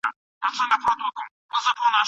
د دواړو ګډې مور حوا څه سوې چیغې وکړې